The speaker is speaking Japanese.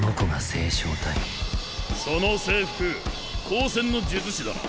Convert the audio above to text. その制服高専の術師だな。